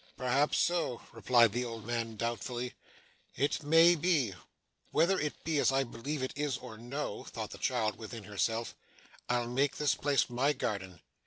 'Perhaps so,' replied the old man doubtfully. 'It may be.' 'Whether it be as I believe it is, or no,' thought the child within herself, 'I'll make this place my garden.